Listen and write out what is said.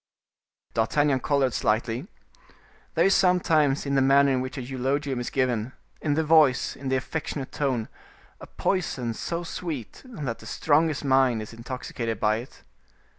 D'Artagnan colored slightly. There is sometimes in the manner in which a eulogium is given, in the voice, in the affectionate tone, a poison so sweet, that the strongest mind is intoxicated by it.